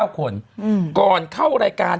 ๙คนก่อนเข้ารายการ